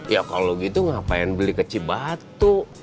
ya kalau gitu ngapain beli kecibatu